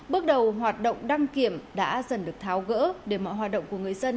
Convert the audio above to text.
bước đầu hoạt động đăng kiểm đã dần được tháo gỡ để mọi hoạt động của người dân